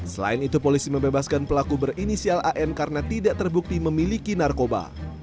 selain itu polisi membebaskan pelaku berinisial an karena tidak terbukti memiliki narkoba